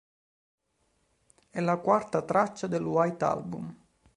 È la quarta traccia del "White Album".